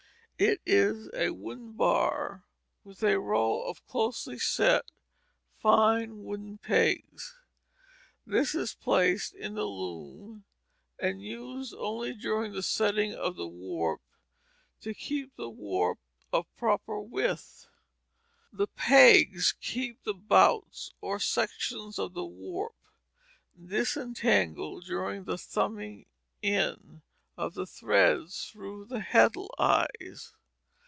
It is a wooden bar with a row of closely set, fine, wooden pegs. This is placed in the loom, and used only during the setting of the warp to keep the warp of proper width; the pegs keep the bouts or sections of the warp disentangled during the "thumbing in" of the threads through the heddle eyes.